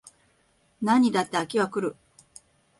何にだって飽きは来る